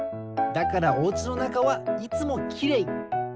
だからおうちのなかはいつもきれい。